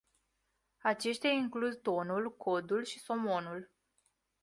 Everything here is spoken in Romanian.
Aceștia includ tonul, codul și somonul.